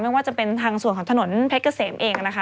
ไม่ว่าจะเป็นทางส่วนของถนนเพชรเกษมเองนะคะ